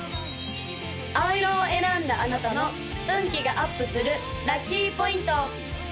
青色を選んだあなたの運気がアップするラッキーポイント！